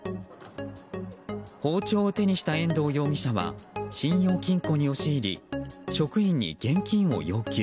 包丁を手にした遠藤容疑者は信用金庫に押し入り職員に現金を要求。